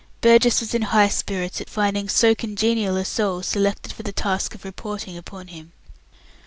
Burgess was in high spirits at finding so congenial a soul selected for the task of reporting upon him.